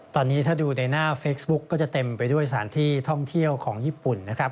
ตอนนี้ถ้าดูในหน้าเฟซบุ๊กก็จะเต็มไปด้วยสถานที่ท่องเที่ยวของญี่ปุ่นนะครับ